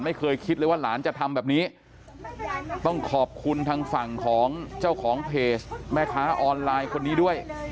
ไม่เคยคิดเลยว่าหลานจะทำแบบนี้ต้องขอบคุณทางฝั่งของเจ้าของเพจแม่ค้าออนไลน์คนนี้ด้วย